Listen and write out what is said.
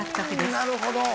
なるほど。